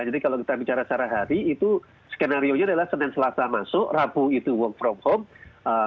jadi kalau kita bicara secara hari itu skenario nya adalah senin selasa masuk rabu itu work from home